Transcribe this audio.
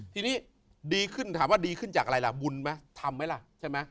ทีนี้ดีขึ้นถามว่าดีขึ้นจากอะไรล่ะบุญไหมทำไหมล่ะใช่ไหม